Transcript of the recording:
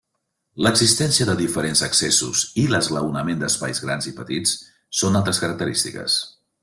L'existència de diferents accessos i l'esglaonament d'espais grans i petits, són altres característiques.